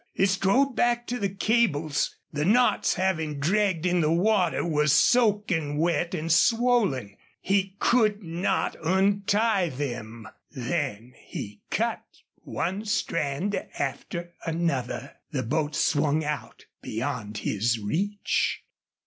He strode back to the cables. The knots, having dragged in the water, were soaking wet and swollen. He could not untie them. Then he cut one strand after another. The boat swung out beyond his reach.